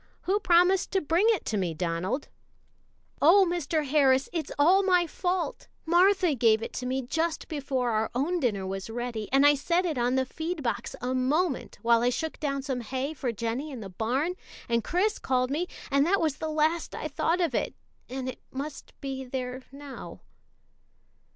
"Who promised to bring it to me, Donald?" "Oh, Mr. Harris, it's all my fault! Martha gave it to me just before our own dinner was ready, and I set it on the feed box a moment, while I shook down some hay for Jennie in the barn, and Chris called me, and that was the last I thought of it, and it must be there now."